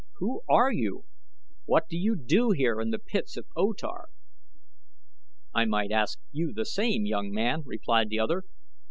Who are you? What do you here in the pits of O Tar?" "I might ask you the same, young man," replied the other.